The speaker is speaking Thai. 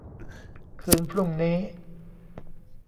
คืนพรุ่งนี้